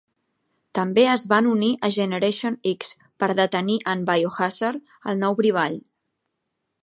També es van unir a Generation X per detenir en Biohazard, el nou brivall.